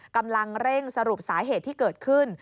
กำลังเร่งสรุปสาเหตุที่เกิดขึ้น